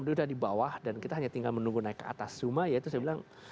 sudah di bawah dan kita hanya tinggal menunggu naik ke atas rumah yaitu saya bilang